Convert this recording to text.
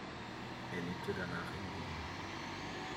Er lebte danach in Wien.